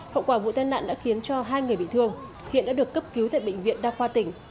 hậu quả vụ tai nạn đã khiến cho hai người bị thương hiện đã được cấp cứu tại bệnh viện đa khoa tỉnh